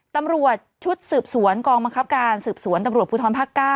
ตำรวจชุดสืบสวนกองบังคับการสืบสวนตำรวจภูทรภาค๙